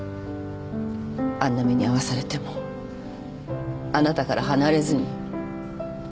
あんな目に遭わされてもあなたから離れずに。